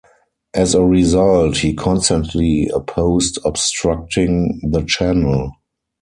As a result, he constantly opposed obstructing the channel.